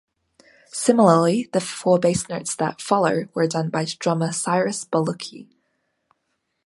Similarly, the four bass notes that follow were done by drummer Cyrus Bolooki.